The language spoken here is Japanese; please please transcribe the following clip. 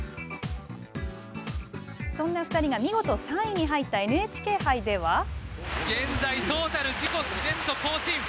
そんな２人が見事３位に入ったＮＨＫ杯では。